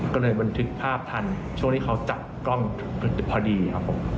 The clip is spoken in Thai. ก็เลยบันทึกภาพทันช่วงที่เขาจับกล้องพอดีครับผม